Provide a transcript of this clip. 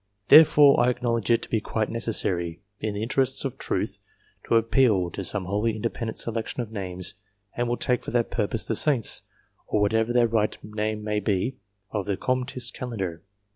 Therefore I acknowledge it to be quite necessary, in the interests of truth, to appeal to some wholly independent selection of names ; and will take for that purpose the saints, or whatever their right name may be, of the Comtist Calendar.